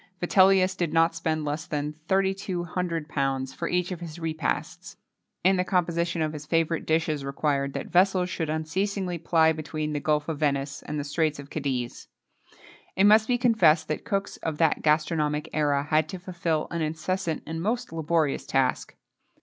[XXII 24] Vitellius did not spend less than £3,200 for each of his repasts;[XXII 25] and the composition of his favourite dishes required that vessels should unceasingly ply between the Gulf of Venice and the Straits of Cadiz.[XXII 26] It must be confessed that cooks of that gastronomic era had to fulfil an incessant and most laborious task.